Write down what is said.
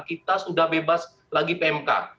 kita sudah bebas lagi pmk